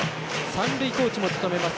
三塁コーチも務めます